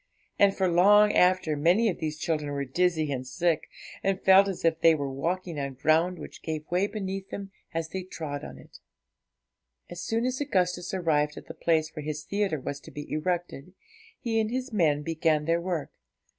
And for long after many of these children were dizzy and sick, and felt as if they were walking on ground which gave way beneath them as they trod on it. As soon as Augustus arrived at the place where his theatre was to be erected, he and his men began their work.